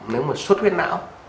nếu mà xuất huyết não